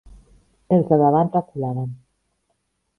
Els de davant, reculaven